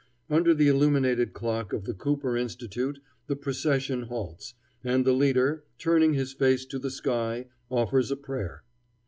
Under the illuminated clock of the Cooper Institute the procession halts, and the leader, turning his face to the sky, offers a prayer.